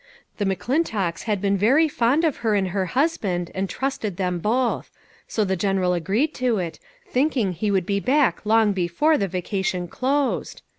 The McClin tocks had been very fond of her and her husband and trusted them both ; so the General agreed to it, thinking he would be back long before the vacation closed.